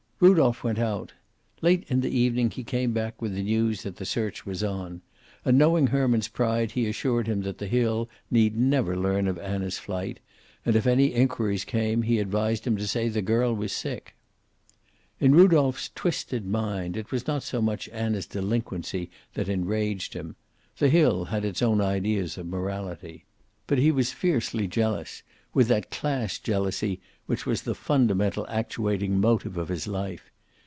Rudolph went out. Late in the evening he came back, with the news that the search was on. And, knowing Herman's pride, he assured him that the hill need never learn of Anna's flight, and if any inquiries came he advised him to say the girl was sick. In Rudolph's twisted mind it was not so much Anna's delinquency that enraged him. The hill had its own ideas of morality. But he was fiercely jealous, with that class jealousy which was the fundamental actuating motive of his life.